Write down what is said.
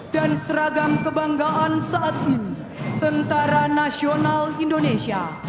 dan seragam kebanggaan saat ini tentara nasional indonesia